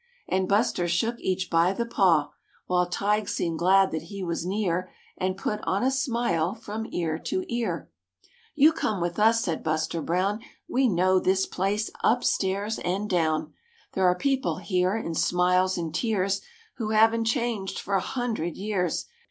And Buster shook each by the paw While Tige seemed glad that he was near And put on a smile from ear to ear. "You come with us," said Buster Brown, "We know this place, upstairs and down; There are people here in smiles and tears Who haven't changed for a hundred years.